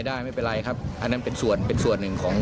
ได้ไม่เป็นไรครับอันนั้นเป็นส่วนเป็นส่วนหนึ่งของ